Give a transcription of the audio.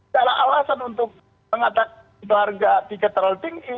tidak ada alasan untuk mengatakan itu harga tiket terlalu tinggi